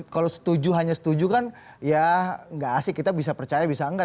kalau setuju hanya setuju kan ya nggak asik kita bisa percaya bisa enggak